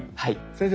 先生